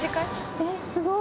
えっすごい！